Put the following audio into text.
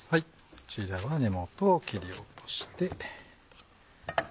こちらは根元を切り落として。